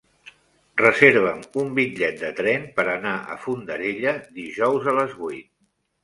Reserva'm un bitllet de tren per anar a Fondarella dijous a les vuit.